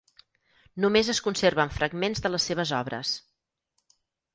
Només es conserven fragments de les seves obres.